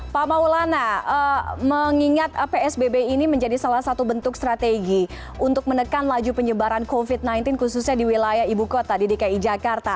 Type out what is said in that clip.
pak maulana mengingat psbb ini menjadi salah satu bentuk strategi untuk menekan laju penyebaran covid sembilan belas khususnya di wilayah ibu kota di dki jakarta